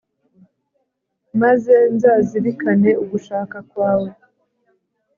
maze nzazirikane ugushaka kwawe